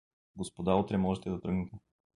— Господа, утре можете да тръгнете!